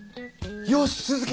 よし鈴木